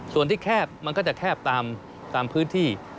ส่วนที่แคบมันก็จะแคบตามพื้นที่